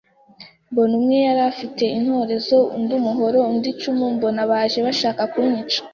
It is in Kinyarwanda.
mbona umwe yarafite intorezo undi umuhoro undi icumu mbona baje bashaka kunyica